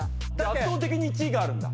圧倒的に１位があるんだ。